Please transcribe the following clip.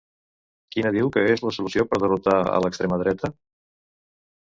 Quina diu que és la solució per derrotar a l'extrema dreta?